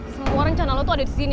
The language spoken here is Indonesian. semua rencana lu tuh ada disini